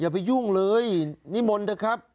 อย่าไปยุ่งเลยนี่มนต์นะครับ